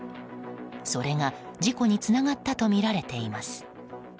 それが事故につながったとみられています。